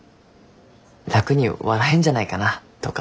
楽に笑えんじゃないかなとか。